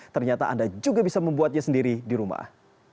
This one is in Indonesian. ternyata anda juga bisa membuatnya sendiri di rumah